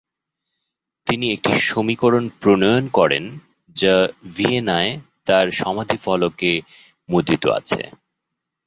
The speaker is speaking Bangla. তিনি একটি সমীকরণ প্রণয়ন করেন যা ভিয়েনায় তার সমাধিফলকে মুদ্রিত আছে।